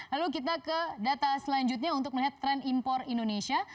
lalu kita ke data selanjutnya untuk melihat tren impor indonesia